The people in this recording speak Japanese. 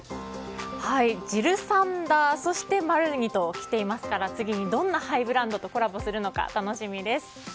ジルサンダーそしてマルニときていますから次に、どんなハイブランドとコラボするのか楽しみです。